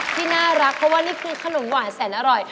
ที่น่ารักเพราะว่านี่คือขนมหวานแสนอร่อย